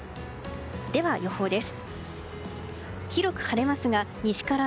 では、予報です。